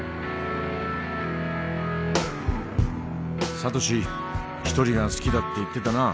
サトシ１人が好きだって言ってたなあ。